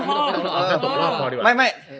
ก็ตกลอกพอดีกว่าไม่